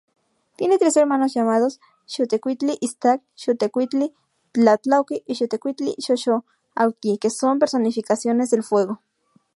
Tiene tres hermanos llamados Xiuhtecuhtli-Iztac, Xiuhtecuhtli-Tlatlauhqui y Xiuhtecuhtli-Xoxoauhqui, que son otras personificaciones del fuego.